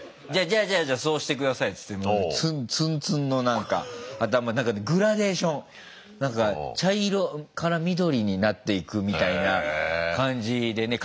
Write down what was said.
じゃあじゃあそうして下さいって言ってツンツンの何か頭グラデーション茶色から緑になっていくみたいな感じでね。